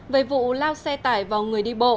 về vụ lao xe tải vào người đi bộ